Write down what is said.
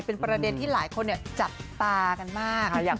เป็นประเด็นที่หลายคนจับตากันมาก